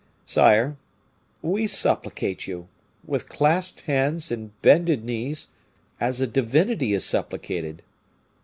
Sire, we supplicate you, with clasped hands and bended knees, as a divinity is supplicated!